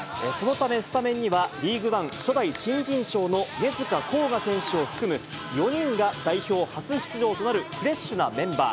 そのため、スタメンにはリーグワン初代新人賞の根塚洸雅選手を含む４人が代表初出場となるフレッシュなメンバー。